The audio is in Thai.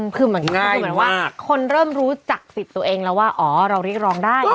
คือเหมือนคนเริ่มรู้จักสิทธิ์ตัวเองแล้วว่าอ๋อเราริกรองได้นะ